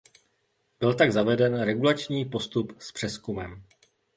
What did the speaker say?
Byl tak zaveden regulační postup s přezkumem.